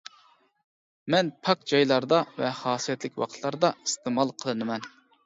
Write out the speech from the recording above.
مەن پاك جايلاردا ۋە خاسىيەتلىك ۋاقىتلاردا ئىستېمال قىلىنىمەن.